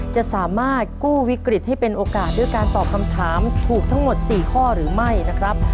จะสามารถกู้วิกฤตให้เป็นโอกาสด้วยการตอบคำถามถูกทั้งหมด๔ข้อหรือไม่นะครับ